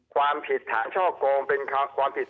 ความผิดฐานช่อโกงเป็นความผิด